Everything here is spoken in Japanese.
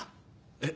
えっ？